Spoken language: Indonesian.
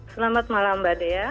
selamat malam mbak dea